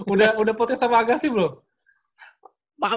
udah udah potes sama agasi belum